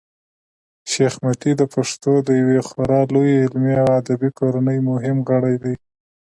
شېخ متي د پښتنو د یوې خورا لويي علمي او ادبي کورنۍمهم غړی دﺉ.